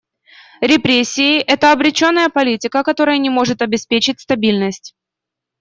Репрессии — это обреченная политика, которая не может обеспечить стабильность.